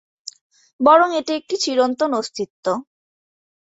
বরং এটি একটি চিরন্তন অস্তিত্ব।